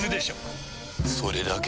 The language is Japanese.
それだけ？